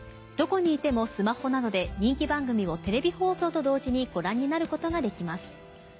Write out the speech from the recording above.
どこにいてもスマホなどで人気番組をテレビ放送と同時にご覧になることができます。